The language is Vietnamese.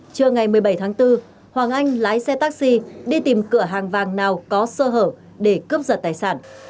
trưa ngày một mươi bảy tháng bốn hoàng anh lái xe taxi đi tìm cửa hàng vàng nào có sơ hở để cướp giật tài sản